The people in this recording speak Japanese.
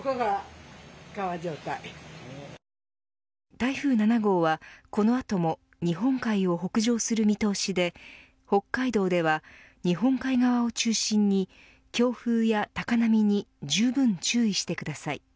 台風７号は、この後も日本海を北上する見通しで北海道では、日本海側を中心に強風や高波にじゅうぶん注意してください。